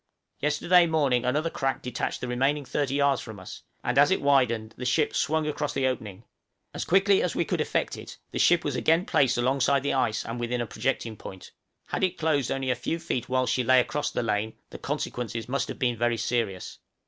Yesterday morning another crack detached the remaining 30 yards from us, and as it widened the ship swung across the opening; as quickly as we could effect it the ship was again placed alongside the ice and within a projecting point; had it closed only a few feet whilst she lay across the lane, the consequences must have been very serious.